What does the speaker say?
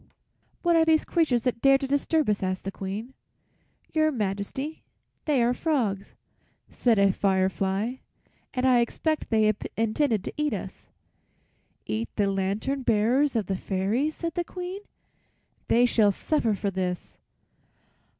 "What are these creatures that dare to disturb us?" asked the Queen. "Your Majesty, they are frogs," said a fire fly, "and I expect they intended to eat us." "Eat the lantern bearers of the fairies!" said the Queen. "They shall suffer for this."